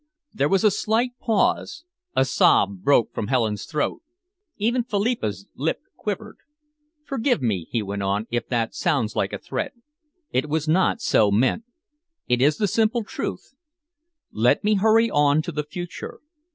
There was a slight pause. A sob broke from Helen's throat. Even Philippa's lip quivered. "Forgive me," he went on, "if that sounds like a threat. It was not so meant. It is the simple truth. Let me hurry on to the future.